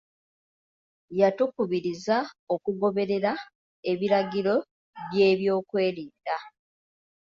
Yatukubiriza okugoberera ebiragiro by'ebyokwerinda.